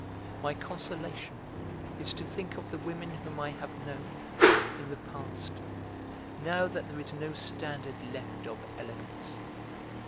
My consolation is to think of the women whom I have known, in the past, now that there is no standard left of elegance.